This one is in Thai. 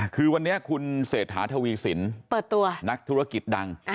คือวันนี้คุณเศรษฐาทวีสินเปิดตัวนักธุรกิจดัง